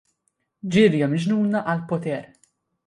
Ġirja miġnuna għall-poter.